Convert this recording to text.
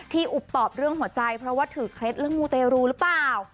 อุบตอบเรื่องหัวใจเพราะว่าถือเคล็ดเรื่องมูเตรูหรือเปล่า